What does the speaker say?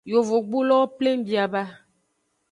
Yovogbulowo pleng bia.